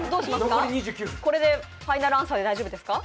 これでファイナルアンサーで、大丈夫ですか？